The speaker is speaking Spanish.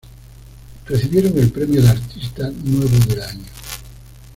Recibieron el premio de artista nuevo del año.